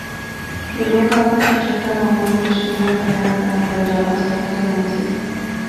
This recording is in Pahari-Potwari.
کہ لوک آپے چی ٹھٹھا مخول مشکریاں کرنیاں کرنیاں بنجاراں سٹنے لغنے سے